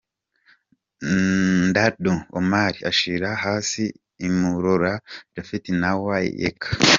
Ndandou Omar ashyira hasi Imurora Japhet na Wai Yeka .